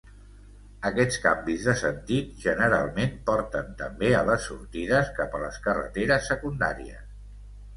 Aquests canvis de sentit generalment porten també a les sortides cap a les carreteres secundàries.